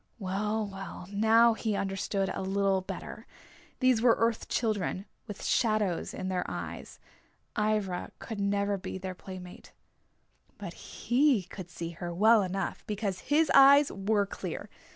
Well, well, now he understood a little better. These were Earth Children, with shadows in their eyes. Ivra could never be their playmate. But he could see her well enough because his eyes were clear.